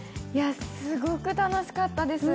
すごく楽しかったです。